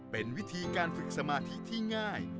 เป็นวิธีการฝึกสมาธิที่ง่าย